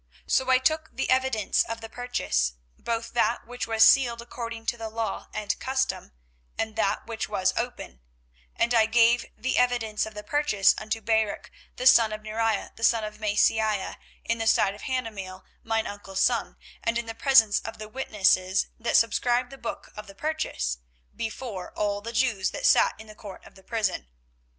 24:032:011 So I took the evidence of the purchase, both that which was sealed according to the law and custom, and that which was open: 24:032:012 And I gave the evidence of the purchase unto Baruch the son of Neriah, the son of Maaseiah, in the sight of Hanameel mine uncle's son, and in the presence of the witnesses that subscribed the book of the purchase, before all the Jews that sat in the court of the prison.